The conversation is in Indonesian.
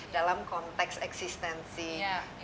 seorang yang mencari kemampuan